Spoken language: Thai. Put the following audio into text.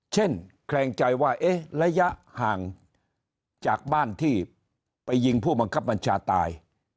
แคลงใจว่าระยะห่างจากบ้านที่ไปยิงผู้บังคับบัญชาตาย